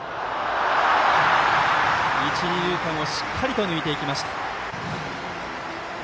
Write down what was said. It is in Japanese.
一、二塁間をしっかりと抜いていきました。